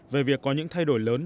về việc có những thay đổi lớn